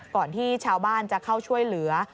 ก่อนที่ชาวบ้านจะเข้าช่วยเหลือ